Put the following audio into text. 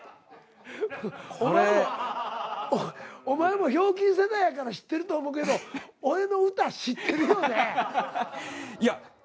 お前も「ひょうきん」世代やから知ってると思うけど俺の歌知ってるよね？